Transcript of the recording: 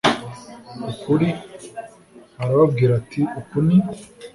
ukuri Arababwira ati uku ni